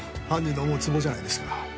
犯人の思うつぼじゃないですか。